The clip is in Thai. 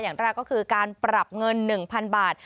อย่างแรกก็คือการปรับเงิน๑๐๐๐บาท